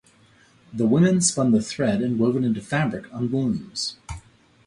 The women spun the thread and wove it into fabric on looms.